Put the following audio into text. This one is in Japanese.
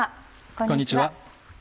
こんにちは。